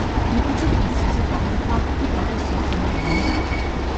Un crocifisso si trova infatti proprio sotto Maria.